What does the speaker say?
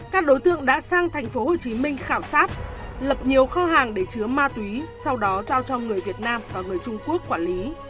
các đối tượng đã sang tp hcm khảo sát lập nhiều kho hàng để chứa ma túy sau đó giao cho người việt nam và người trung quốc quản lý